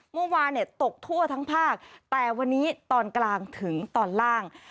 เมื่อวานตกทั่วทั้งภาคแต่วันนี้ตอนกลางถึงตอนล่าง